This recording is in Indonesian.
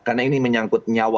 karena ini menyangkut nyawa